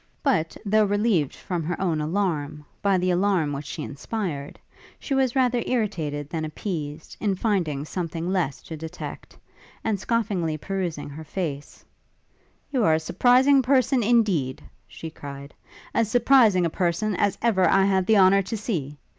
But, though relieved from her own alarm, by the alarm which she inspired, she was rather irritated than appeased in finding something less to detect, and, scoffingly perusing her face, 'You are a surprising person, indeed!' she cried, 'as surprising a person as ever I had the honour to see!